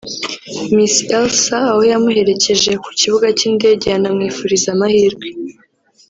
Miss Elsa aho yamuherekeje ku kibuga cy’indege anamwifuriza amahirwe